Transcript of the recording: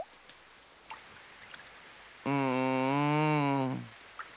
うん。